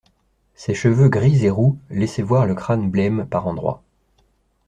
Ses cheveux gris et roux laissaient voir le crâne blême, par endroits.